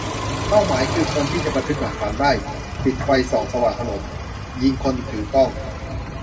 เป้าหมายคือ คนที่จะบันทึกหลักฐานได้ ? ปิดไฟส่องสว่างถนน ยิงคนถือกล้อง ?